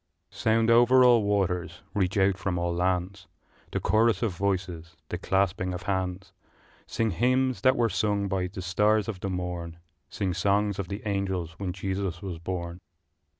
I. Sound over all waters, reach out from all lands, The chorus of voices, the clasping of hands; Sing hymns that were sung by the stars of the morn, Sing songs of the angels when Jesus was born!